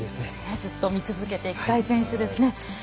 ずっと見続けていきたい選手ですね。